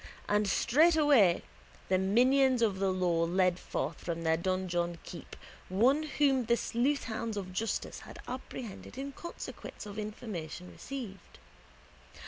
And straightway the minions of the law led forth from their donjon keep one whom the sleuthhounds of justice had apprehended in consequence of information received.